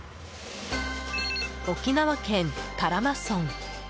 沖縄県多良間村。